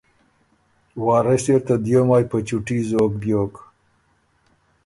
وارث اِر ته دیو مایٛ په چُوټي زوک بیوک